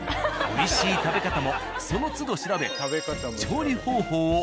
美味しい食べ方もそのつど調べ。